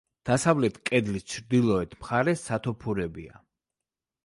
დასავლეთ კედლის ჩრდილოეთ მხარეს სათოფურებია.